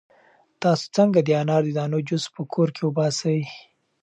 تاسو څنګه د انار د دانو جوس په کور کې وباسئ؟